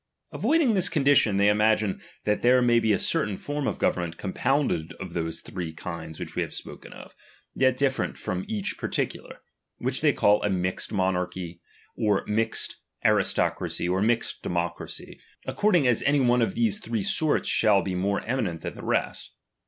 Avoiding this condi tion, they imagine that there may be a certain form of government compounded of those three kinds we have spoken of, yet different from each particular ; which, they call a mixed monarchy, or mixed arts tocracy, or mixed democracy, according as any one of these three sorts shall be more eminent than the rest.